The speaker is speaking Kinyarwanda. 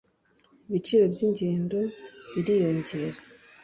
ibiciro by’ingendo biriyongera